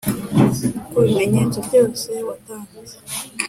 kubimenyetso byose watanze,